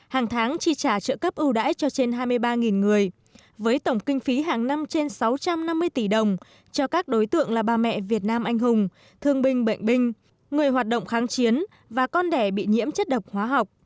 hàng tháng chi trả trợ cấp ưu đãi cho trên hai mươi ba người với tổng kinh phí hàng năm trên sáu trăm năm mươi tỷ đồng cho các đối tượng là bà mẹ việt nam anh hùng thương binh bệnh binh người hoạt động kháng chiến và con đẻ bị nhiễm chất độc hóa học